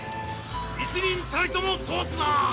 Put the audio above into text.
一人たりとも通すな！